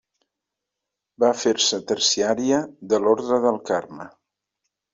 Va fer-se terciària de l'Orde del Carme.